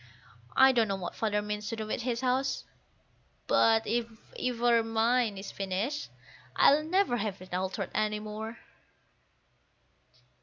I don't know what Father means to do with his house, but if ever mine is finished, I'll never have it altered any more.